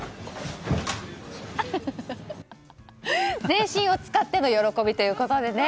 全身を使っての喜びということでね。